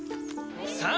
さあ！